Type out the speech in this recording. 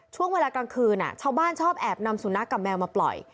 ช่วงเวลากลางคืนชาวบ้านชอบแอบนำสุนัขกับแมวมาปล่อย